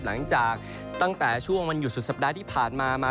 หลังจากตั้งแต่ช่วงวันหยุดสุดสัปดาห์ที่ผ่านมามา